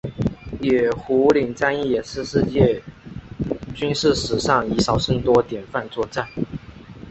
野狐岭战役也是世界军事史上以少胜多典范作战。